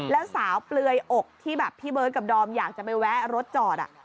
แล้วสาวเปลือยอกที่แบบพี่เบิร์ตกับดอมอยากจะไปแวะรถจอด